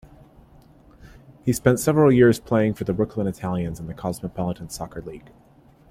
He spent several years playing for the Brooklyn Italians in the Cosmopolitan Soccer League.